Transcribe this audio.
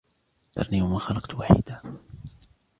ذَرْنِي وَمَنْ خَلَقْتُ وَحِيدًا